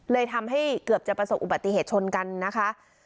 เลยทำให้เกือบจะประสบอุบัติเหตุชนกันนะคะ